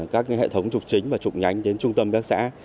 các hệ thống trục chính và trụng nhánh đến trung tâm các xã